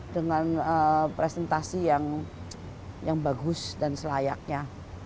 dengan presentasi yang bagus dan selayaknya